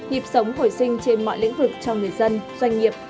nhịp sống hồi sinh trên mọi lĩnh vực cho người dân doanh nghiệp